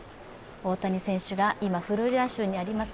大谷選手が今、フロリダ州にあります